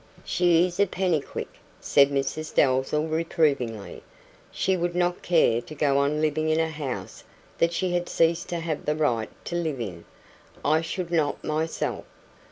"She is a Pennycuick," said Mrs Dalzell reprovingly. "She would not care to go on living in a house that she had ceased to have the right to live in. I should not myself."